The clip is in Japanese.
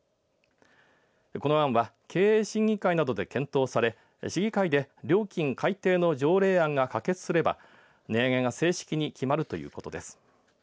この案は経営審議会などで検討される市議会で料金改定の条例案が可決すれば値上げが正式に決まるということです。